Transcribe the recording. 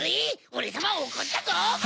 オレさまおこったぞ！